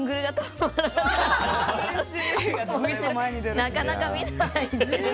なかなか見られないですよね。